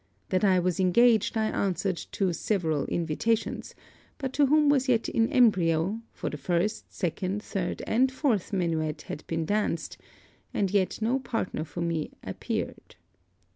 That I was engaged I answered to several invitations; but to whom was yet in embryo, for the first, second, third and fourth minuet had been danced, and yet no partner for me appeared.